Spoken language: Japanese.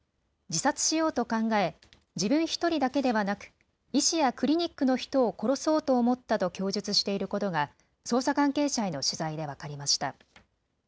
自殺しようと考え自分１人だけではなく医師やクリニックの人を殺そうと思ったと供述していることが捜査関係者への取材で分かりました。